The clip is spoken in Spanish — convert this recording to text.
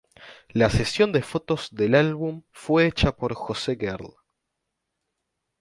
La sesión de fotos del álbum fue hecha por Jose Girl.